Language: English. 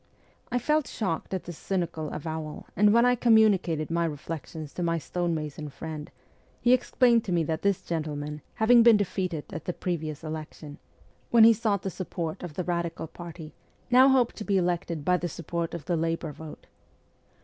I felt shocked at this cynical avowal, and when I communi cated my reflections to my stone mason friend he explained to me that this gentleman, having been defeated at the previous election, when he sought the 64 MEMOIRS OF A REVOLUTIONIST support of the radical party, now hoped to be elected by the support of the labour vote.